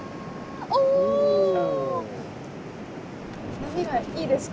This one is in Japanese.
波はいいですか？